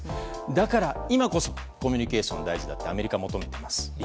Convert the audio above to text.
だから今こそコミュニケーションが大事だとアメリカは言っています。